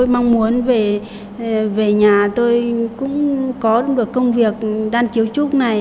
mong muốn về nhà tôi cũng có được công việc đan chiếu trúc này